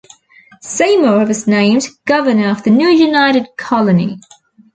Seymour was named governor of the new united colony.